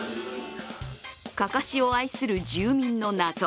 かかしを愛する住民の謎。